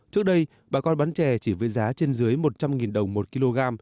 trước đây bà con bán chè chỉ với giá trên dưới một trăm linh đồng một kg